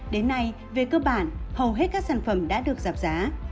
đến nay về cơ bản hầu hết các sản phẩm đã được giảm giá